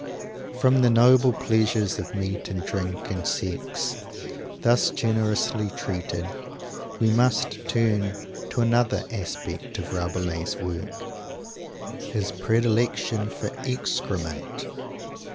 From the noble pleasures of meat and drink and sex, thus generously treated; we must turn to another aspect of Rabelais' work his predilection for excrement.